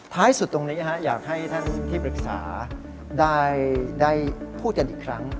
สุดตรงนี้อยากให้ท่านที่ปรึกษาได้พูดกันอีกครั้ง